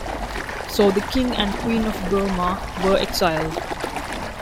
So the king and queen of Burma were exiled.